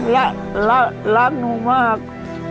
รักรักหนูมาก